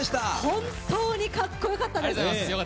本当に格好よかったです。